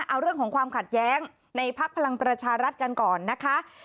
เอาเรื่องของความขัดแย้งในพักพลังประชารัฐกันก่อนนะคะ